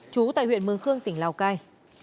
chú tại huyện mường khương tỉnh lào cai